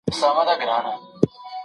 پلار ویله څارنوال ته نه پوهېږي